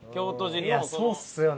いやそうっすよね。